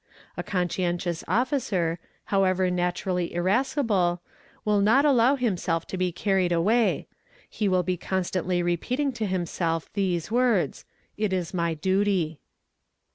A conscientious officer, however naturally 2 irascible, will not allow himself to be carried away; he will be constantly repeating to himself these words, "It is my duty."